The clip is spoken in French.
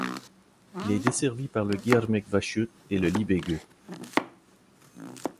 Il est desservi par le Gyermekvasút et le Libegő.